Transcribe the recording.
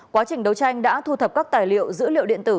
quá trình đấu tranh đã thu thập các tài liệu dữ liệu điện tử